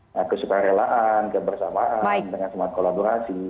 nah keseparaan kebersamaan dengan semangat kolaborasi